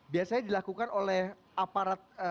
biasanya dilakukan oleh aparatus